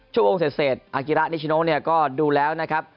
ช่วงของเศษธุรกิจอคลุกภาพกีภาพอินไทยก็ดูแล้วครับ